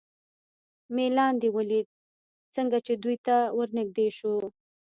مې لاندې ولید، څنګه چې دوی ته ور نږدې شو.